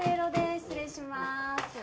失礼しまーす